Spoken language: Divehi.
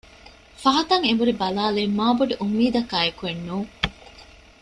ފަހަތަށް އެނބުރި ބަލާލީ މާ ބޮޑު އުއްމީދަކާ އެކުއެއް ނޫން